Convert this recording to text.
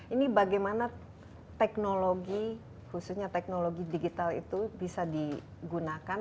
ini bagaimana teknologi khususnya teknologi digital itu bisa digunakan